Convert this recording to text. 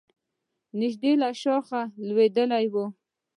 نژدې له شاخه لوېدلی و.